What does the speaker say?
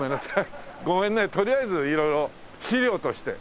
ごめんねとりあえず色々資料として。